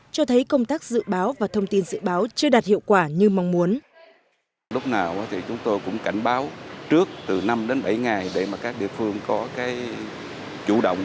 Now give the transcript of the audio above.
cho thấy công tác dự báo và thông tin dự báo chưa đạt hiệu quả như mong muốn